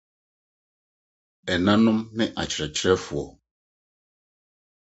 Ɛnanom ne Akyerɛkyerɛfo